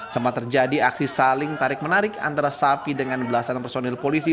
sempat terjadi aksi saling tarik menarik antara sapi dengan belasan personil polisi